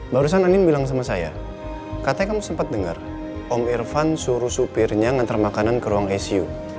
barusan anin bilang sama saya katanya kamu sempat dengar om irfan suruh supirnya ngantar makanan ke ruang icu